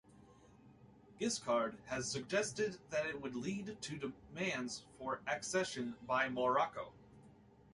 Giscard has suggested that it would lead to demands for accession by Morocco.